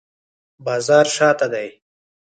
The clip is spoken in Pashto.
بازار شاته دی